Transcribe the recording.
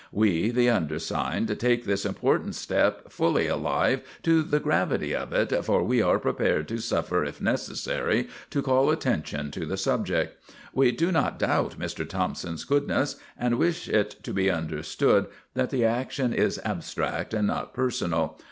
We, the undersigned, take this important step fully alive to the gravity of it, for we are prepared to suffer if necessary to call attention to the subject. We do not doubt Mr. Thompson's goodness, and wish it to be understood that the action is abstract and not personal.